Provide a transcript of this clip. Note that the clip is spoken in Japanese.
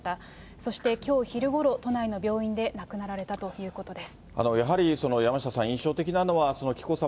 そしてきょう昼ごろ、都内の病院で亡くなられたということです。